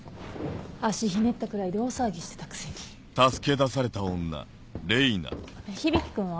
足ひねったくらいで大騒ぎしてたくせに。ねぇ響君は？